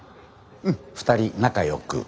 うん２人仲よく。